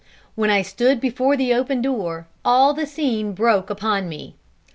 When I stood before the open door, all the scene broke upon me.